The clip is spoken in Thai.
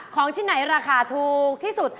ของชิ้นไหนราคาถูกที่สุด